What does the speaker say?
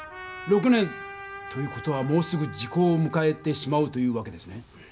６年という事はもうすぐ時効をむかえてしまうというわけですね。